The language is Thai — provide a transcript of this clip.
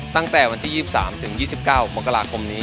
ตั้งแต่วันที่๒๓ถึง๒๙มกราคมนี้